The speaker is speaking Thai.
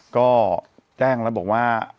ก็แจ้งแล้วบอกว่า